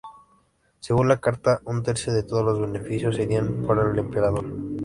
Según la Carta, un tercio de todos los beneficios serían para el emperador.